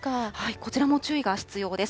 こちらも注意が必要です。